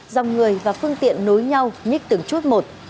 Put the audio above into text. dòng người và phương tiện nối nhau nhích từng chút một